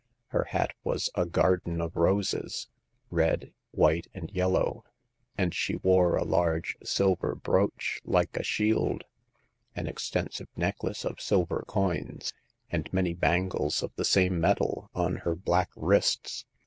Her hat was a garden of roses — red, white, and yellow ; and she wore a large silver brooch like a shield, an extensive necklace of silver coins, and many bangles of the same metal on her black wrists.